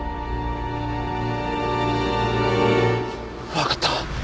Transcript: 分かった。